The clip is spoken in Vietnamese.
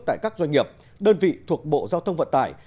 tại các doanh nghiệp đơn vị thuộc bộ giao thông vận tải